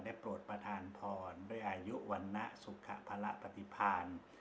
ได้โปรดประทานพรด้วยอายุวัณนะสุขภรรณปฏิพรรณ